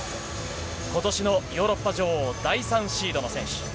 ことしのヨーロッパ女王、第３シードの選手です。